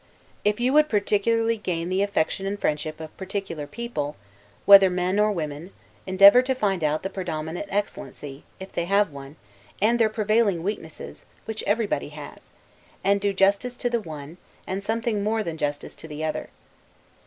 If you would particularly gain the affection and friendship of particular people, whether men or women, endeavor to find out the predominant excellency, if they have one, and their prevailing weakness, which everybody has; and do justice to the one, and something more than justice to the other.